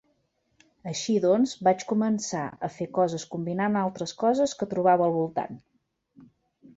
Així doncs vaig començar a fer coses combinant altres coses que trobava al voltant.